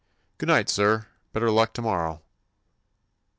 "Good night, sir. Better luck to morrow."